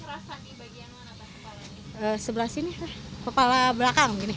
kalau migren kerasanya di bagian mana